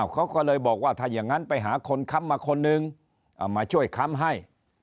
เขาก็เลยบอกว่าถ้าอย่างนั้นไปหาคนค้ำมาคนนึงมาช่วยค้ำให้